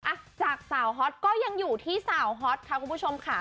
อ่ะจากสาวฮอตก็ยังอยู่ที่สาวฮอตค่ะคุณผู้ชมค่ะ